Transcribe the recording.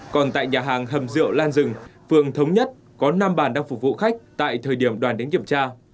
còn tại nhà hàng hầm rượu lan rừng phường thống nhất có năm bàn đang phục vụ khách tại thời điểm đoàn đến kiểm tra